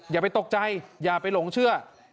อย่าไปตกใจอย่าไปหลงเชื่อ